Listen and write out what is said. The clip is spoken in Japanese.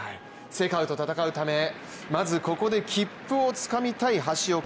世界と戦うためまずここで切符をつかみたい橋岡。